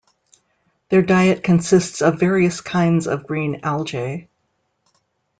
Their diet consists of various kinds of green algae.